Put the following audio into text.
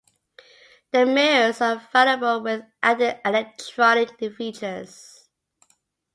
The mirrors are available with added electronic features.